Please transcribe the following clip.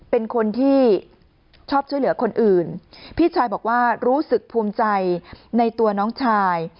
เป็นคนที่ชอบช่วยเหลือคนอื่นพี่ชายบอกว่ารู้สึกภูมิใจในตัวน้องชาย